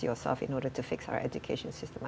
terutama dari orang muda seperti kamu